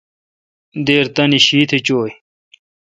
دیر تانی شیتھ چویں۔